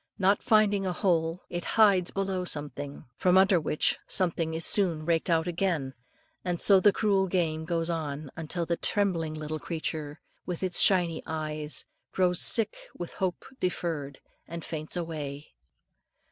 Not finding a hole, it hides below something, from under which something it is soon raked out again; and so the cruel game goes on, till the trembling little creature, with its shiny eyes, grows sick with hope deferred, and faints away.